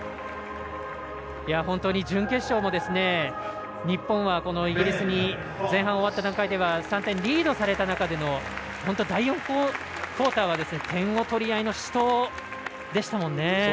本当に準決勝も日本はイギリスに前半終わった段階では３点リードされた中での第４クオーターは点の取り合いの死闘でしたもんね。